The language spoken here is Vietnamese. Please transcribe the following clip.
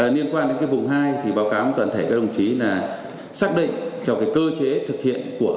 liên quan đến vùng hai thì báo cáo toàn thể các đồng chí là xác định cho cơ chế thực hiện